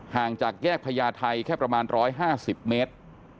ห่างจากแยกพญาไทยแค่ประมาณ๑๕๐เมตร